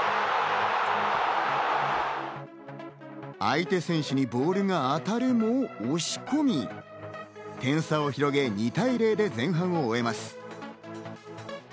相手選手にボールが当たるも押し込み、点差を広げ２対０で前半を終えます。